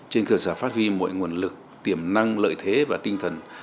trên cơ sở phát huy mọi nguồn lực tiềm năng lợi thế và tinh thần